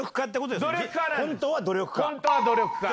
本当は努力家？